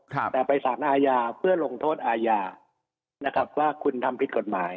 แต่ไปสารอาญาเพื่อลงโทษอาญานะครับว่าคุณทำผิดกฎหมาย